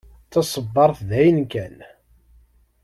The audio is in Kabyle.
D taṣebbart d ayen kan.